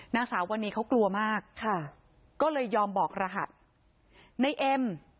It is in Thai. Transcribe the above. นางสาววันนี้เขากลัวมากค่ะก็เลยยอมบอกรหัสในเอ็ม